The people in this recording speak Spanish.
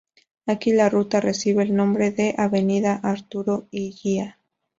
Aquí, la ruta recibe el nombre de Avenida Arturo Illia.